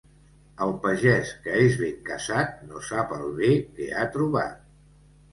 El pagès que és ben casat no sap el bé que ha trobat.